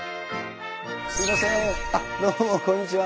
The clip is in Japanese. すいませんどうもこんにちは。